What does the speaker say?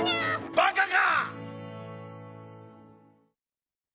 バカか！